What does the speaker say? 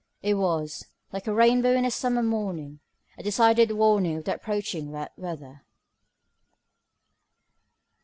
It was, like a rainbow in a summer morning, a decided warning of the approaching wet weather.